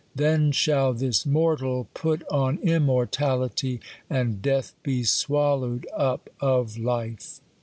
Then shall this mortal put on immortality, and death be swallowed up of life.